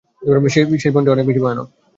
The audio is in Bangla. সেই বনটি অনেক ভয়ানক।